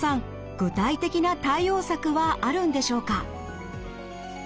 具体的な対応策はあるんでしょうか？